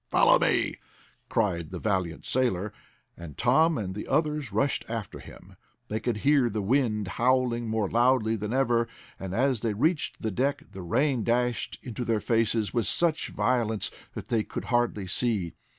"Follow me!" cried the valiant sailor, and Tom and the others rushed after him. They could hear the wind howling more loudly than ever, and as they reached the deck the rain dashed into their faces with such violence that they could hardly see.